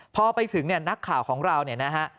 พอไปถึงเนี่ยนักข่าวของเราเนี่ยนะฮะ